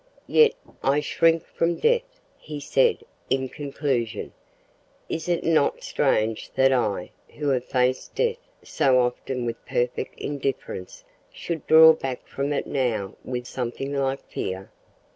"Yet I shrink from death," he said in conclusion. "Is it not strange that I, who have faced death so often with perfect indifference, should draw back from it now with something like fear?"